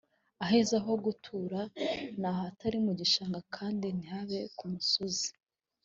aheza ho gutura ni ahatari mu gishanga kandi ntihabe ku musozi